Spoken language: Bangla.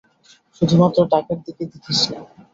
শুধুমাত্র টাকার দিকে দেখিস না।